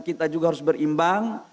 kita juga harus berimbang